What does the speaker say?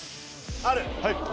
ある。